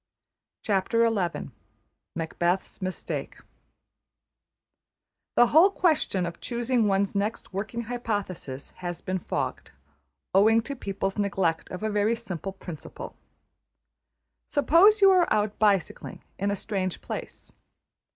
\chapter{Macbeth's Mistake} The whole question of choosing one's next working hypothesis has been fogged, owing to people's neglect of a very simple principle. Suppose you are out bicycling in a strange place.